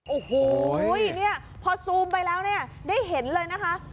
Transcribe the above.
โอ้โหเนี่ยพอซูมไปแล้วเนี่ยได้เห็นเลยนะคะ